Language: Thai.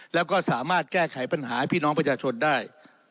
แล้วก็สามารถแก้ไขปัญหาให้พี่น้องประชาชนได้